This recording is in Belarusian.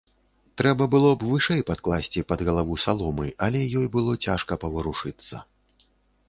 Трэба было б вышэй падкласці пад галаву саломы, але ёй было цяжка паварушыцца.